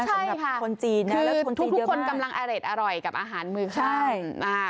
ใช่ค่ะคือทุกคนกำลังอเล็กอร่อยกับอาหารมือค่ะ